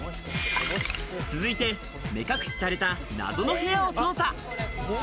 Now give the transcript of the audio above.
続いて目隠しされた謎の部屋を捜査。